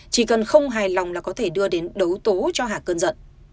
chỉ cần không hài lòng là có thể đưa đến đấu tố cho hà cơn giận